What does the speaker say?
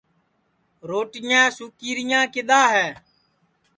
روٹِیاں سُوکی رِیاں کِدؔا ہے